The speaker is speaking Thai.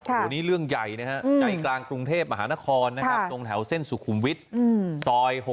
วันนี้เรื่องใหญ่ใหญ่กลางกรุงเทพฯมหานครตรงแถวเส้นสุขุมวิทย์